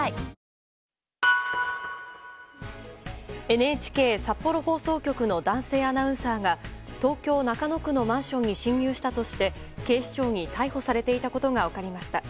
ＮＨＫ札幌放送局の男性アナウンサーが東京・中野区のマンションに侵入したとして警視庁に逮捕されていたことが分かりました。